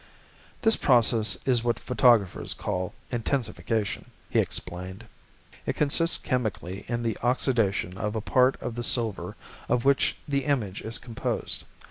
"This process is what photographers call intensification," he explained. "It consists chemically in the oxidation of a part of the silver of which the image is composed.